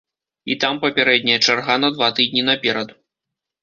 І там папярэдняя чарга на два тыдні наперад.